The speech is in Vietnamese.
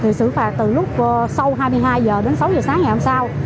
thì xử phạt từ lúc sau hai mươi hai h đến sáu h sáng ngày hôm sau